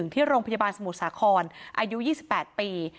ที่โรงพยาบาลสมุทรสาครอายุ๒๘ปี